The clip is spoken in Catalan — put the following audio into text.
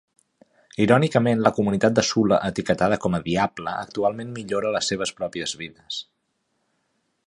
Irònicament, la comunitat de Sula etiquetada com a diable, actualment millora les seves pròpies vides.